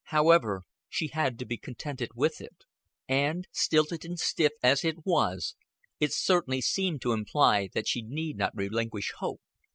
However, she had to be contented with it. And, stilted and stiff as it was, it certainly seemed to imply that she need not relinquish hope.